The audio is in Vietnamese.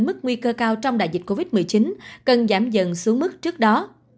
mức nguy cơ cao trong đại dịch covid một mươi chín cần giảm dần xuống mức trước đó